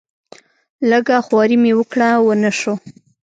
لږه خواري مې وکړه ونه شو.